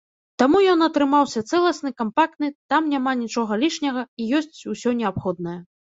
Таму ён атрымаўся цэласны, кампактны, там няма нічога лішняга і ёсць усё неабходнае.